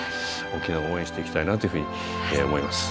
沖縄を応援していきたいなというふうに思います。